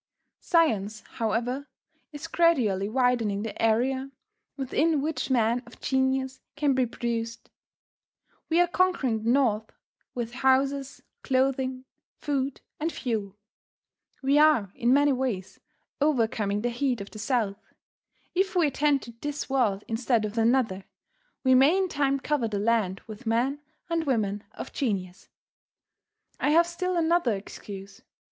Science, however, is gradually widening the area within which men of genius can be produced. We are conquering the north with houses, clothing, food and fuel. We are in many ways overcoming the heat of the south. If we attend to this world instead of another, we may in time cover the land with men and women of genius. I have still another excuse.